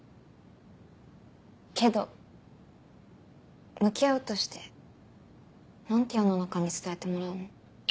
けど向き合うとして何て世の中に伝えてもらうの？